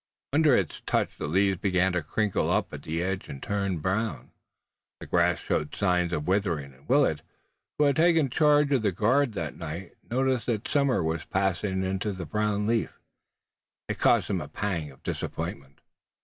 Under its touch the leaves began to crinkle up at the edge and turn brown, the grass showed signs of withering and Willet, who had taken charge of the guard that night, noticed that summer was passing into the brown leaf. It caused him a pang of disappointment.